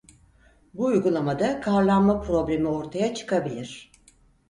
Bu uygulamada karlanma problemi ortaya çıkabilir.